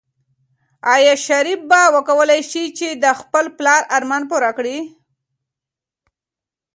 آیا شریف به وکولی شي چې د خپل پلار ارمان پوره کړي؟